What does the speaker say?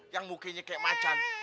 yang mukinya kayak macan